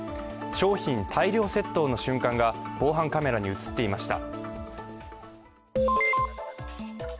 商品大量窃盗の瞬間が防犯カメラに映っていました。